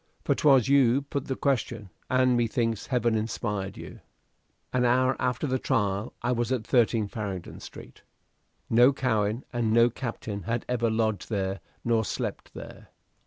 For 'twas you put the question, and methinks Heaven inspired you. An hour after the trial I was at 13 Farringdon Street. No Cowen and no captain had ever lodged there nor slept there.